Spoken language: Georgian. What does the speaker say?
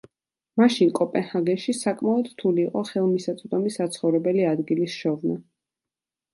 მაშინ კოპენჰაგენში საკმაოდ რთული იყო ხელმისაწვდომი საცხოვრებელი ადგილის შოვნა.